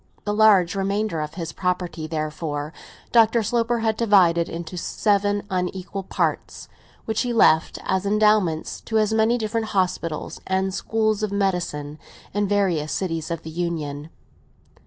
The large remainder of his property, therefore, Dr. Sloper had divided into seven unequal parts, which he left, as endowments, to as many different hospitals and schools of medicine, in various cities of the Union.